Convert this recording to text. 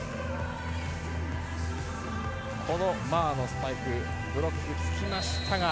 マーのスパイクブロックがつきましたが。